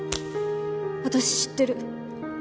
私知ってる。